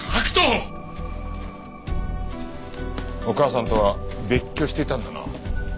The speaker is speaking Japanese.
お母さんとは別居していたんだな。